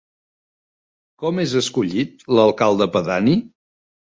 Com és escollit l'alcalde pedani?